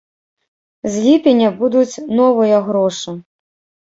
З ліпеня будуць новыя грошы.